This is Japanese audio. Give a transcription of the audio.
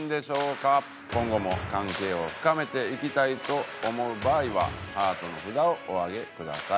今後も関係を深めていきたいと思う場合はハートの札をお上げください。